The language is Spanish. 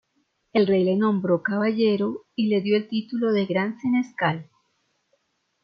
El Rey le nombró caballero y le dio el título de Gran Senescal.